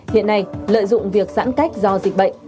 hiện nay lợi dụng việc giãn cách do dịch bệnh